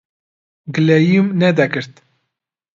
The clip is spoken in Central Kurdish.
گلەییم نەدەکرد.